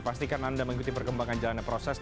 pastikan anda mengikuti perkembangan jalannya proses